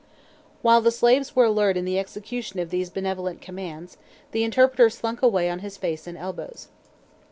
While the slaves were alert in the execution of these benevolent commands, the interpreter slunk away on his face and elbows.